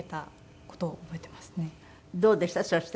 どうでした？